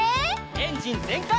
エンジンぜんかい！